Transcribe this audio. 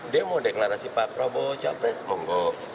dia mau deklarasi pak prabowo cawapres mau nggak